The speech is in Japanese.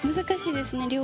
難しいですね